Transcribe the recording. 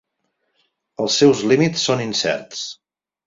Els seus límits són incerts.